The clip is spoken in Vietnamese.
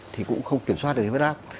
thì cũng không kiểm soát được huyết áp